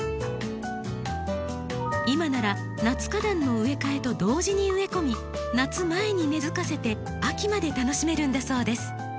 今なら夏花壇の植え替えと同時に植え込み夏前に根づかせて秋まで楽しめるんだそうです。